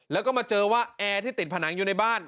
แล้วก็มาเจอว่าแอร์ที่ติดผนังอยู่ในบ้าน